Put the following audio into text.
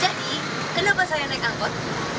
jadi kenapa saya naik angkot